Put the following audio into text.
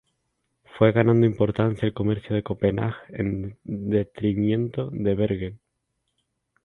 Fue ganando importancia el comercio con Copenhague en detrimento de Bergen.